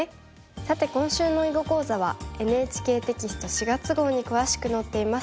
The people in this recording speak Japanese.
さて今週の囲碁講座はＮＨＫテキスト４月号に詳しく載っています。